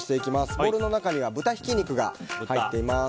ボウルの中には豚ひき肉が入っています。